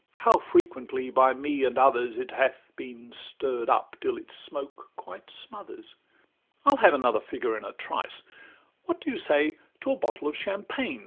How frequently, by me and others, It hath been stirr'd up till its smoke quite smothers! XXXVII I'll have another figure in a trice: What say you to a bottle of champagne?